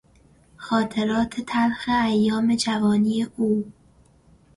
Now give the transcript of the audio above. خاطرات تلخ ایام جوانی او